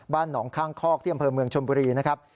บ้านหนองข้างคอกเที่ยงบริเวณเมืองชมบุรีนะครับ